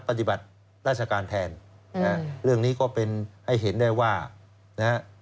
ปฏิบัติราชการแทนนะฮะเรื่องนี้ก็เป็นให้เห็นได้ว่านะฮะ